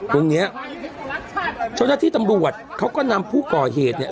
ตรงเนี้ยเจ้าหน้าที่ตำรวจเขาก็นำผู้ก่อเหตุเนี่ย